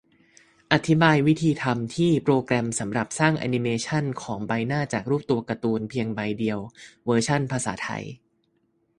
อธิบายวิธีทำที่ "โปรแกรมสำหรับสร้างอนิเมชันของใบหน้าจากรูปตัวการ์ตูนเพียงใบเดียว เวอร์ชันภาษาไทย"